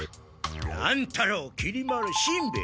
乱太郎きり丸しんべヱ。